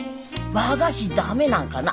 和菓子駄目なんかな？